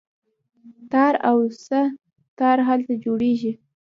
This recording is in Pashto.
تار او سه تار هلته جوړیږي.